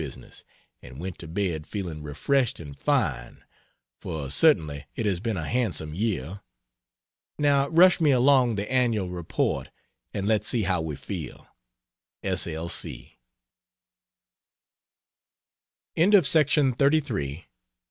business, and went to bed feeling refreshed and fine, for certainly it has been a handsome year. Now rush me along the Annual Report and let's see how we feel! S. L.